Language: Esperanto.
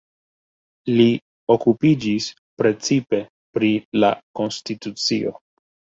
Li okupiĝis precipe pri la konstitucio.